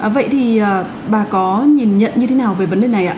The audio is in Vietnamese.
vậy thì bà có nhìn nhận như thế nào về vấn đề này ạ